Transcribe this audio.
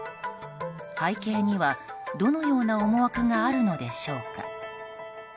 背景には、どのような思惑があるのでしょうか。